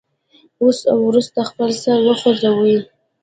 اوس او وروسته خپل سر وخوځوئ.